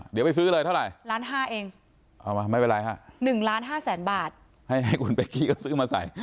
เดี๋ยวไปซื้อเลยเท่าไหร่๑๕๐๐๐๐๐บาทให้คุณเบ๊กกี้ก็ซื้อมาใส่